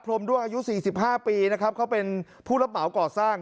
ธรรมด้วยอายุสี่สิบห้าปีนะครับเขาเป็นผู้ระเบาเกาะสร้าง